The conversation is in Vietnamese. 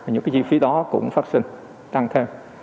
những cái chi phí đó cũng phát sinh tăng thêm